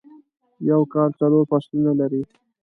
یو کال څلور فصلونه لري.